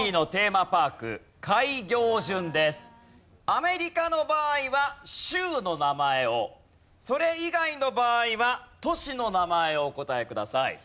アメリカの場合は州の名前をそれ以外の場合は都市の名前をお答えください。